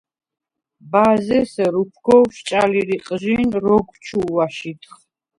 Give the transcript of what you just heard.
ბა̄ზ’ ესერ უფგოვშ ჭალი რიყჟი̄ნ როგვ ჩუ̄ვ აშიდხ.